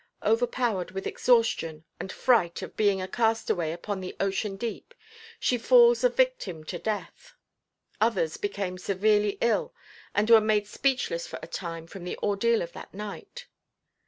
Overpowered with exhaustion and fright of being a castaway upon the ocean deep, she falls a victim to death. Others became severely ill and were made speechless for a time from the ordeal of that night.